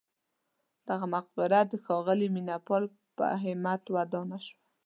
دغه مقبره د ښاغلي مینه پال په همت ودانه شوه.